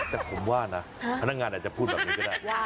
แต่ผมว่านะพนักงานอาจจะพูดแบบนี้ก็ได้